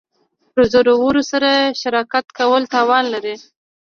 د زورورو سره شراکت کول تاوان لري.